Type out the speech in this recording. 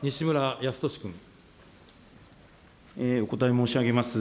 お答え申し上げます。